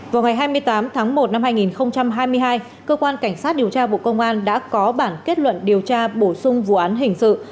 vào ngày hai mươi tám tháng một năm hai nghìn hai mươi hai cơ quan cảnh sát điều tra bộ công an đã có bản kết luận điều tra bổ sung vụ án hình sự